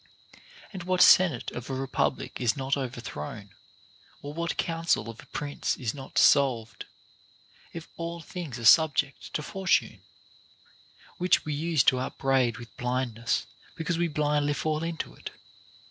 And what senate of a republic is not overthrown, or what council of a prince is not dissolved, if all things are subject to Fortune \— which we use to upbraid with blindness be cause we blindly fall into it.